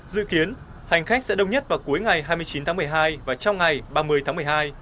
dự kiến hành khách sẽ đông nhất vào cuối ngày hai mươi chín tháng một mươi hai và trong ngày ba mươi tháng một mươi hai